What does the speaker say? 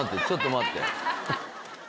ちょっと待って。